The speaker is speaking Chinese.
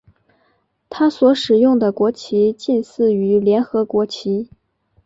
它所使用的国旗近似于联合国旗。